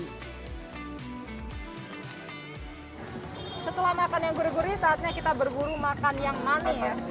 setelah makan yang gurih gurih saatnya kita berburu makan yang manis ya